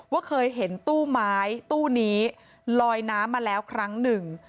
ว่าเคยเห็นตู้ไม้ตู้นี้ลอยน้ำมาแล้วครั้งหนึ่ง